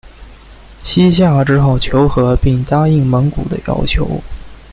西夏只好求和并答应蒙古的要求。